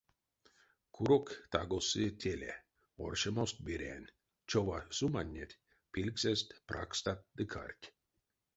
Курок таго сы теле, оршамост берянь, чова суманнеть, пильгсэст — пракстат ды карть.